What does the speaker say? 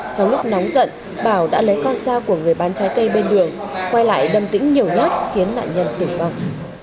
trong lúc nóng giận bảo đã lấy con cha của người bán trái cây bên đường quay lại đâm tĩnh nhiều nhát khiến nạn nhân tỉnh vòng